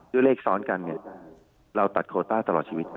ด้วยเลขซ้อนกันเนี่ยเราตัดโคต้าตลอดชีวิต